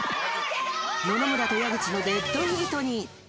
野々村と矢口のデッドヒートに。